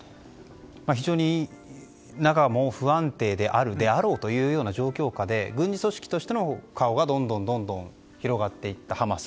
非常に中も不安定であろうという環境下で軍事組織としての顔がどんどん広がっていったハマス。